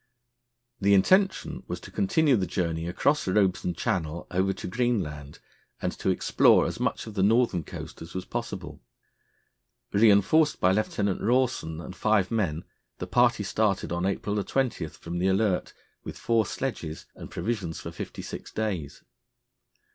The intention was to continue the journey across Robeson Channel over to Greenland, and to explore as much of the northern coast as was possible. Reinforced by Lieutenant Rawson and five men, the party started on April 20, from the Alert, with four sledges and provisions for fifty six days.